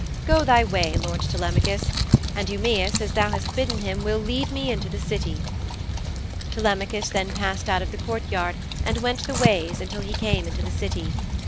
Go thy way, lord Telemachus, and Eumæus, as thou hast bidden him, will lead me into the City.' Telemachus then passed out of the courtyard and went the ways until he came into the City.